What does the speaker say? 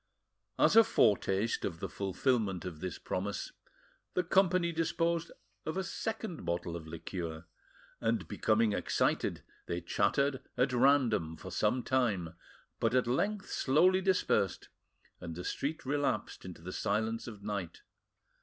As a foretaste of the fulfilment of this promise, the company disposed of a second bottle of liqueur, and, becoming excited, they chattered at random for some time, but at length slowly dispersed, and the street relapsed into the silence of night.